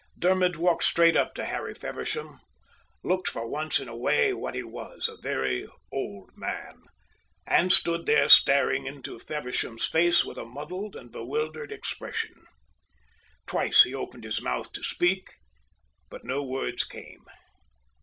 Dermod walked straight up to Harry Feversham, looking for once in a way what he was, a very old man, and stood there staring into Feversham's face with a muddled and bewildered expression. Twice he opened his mouth to speak, but no words came.